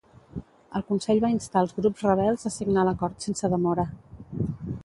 El Consell va instar als grups rebels a signar l'acord sense demora.